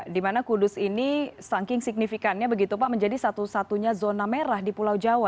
di mana kudus ini saking signifikannya begitu pak menjadi satu satunya zona merah di pulau jawa